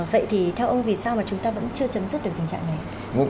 vậy thì theo ông vì sao mà chúng ta vẫn chưa chấm dứt được tình trạng này